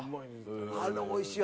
あれおいしいわ。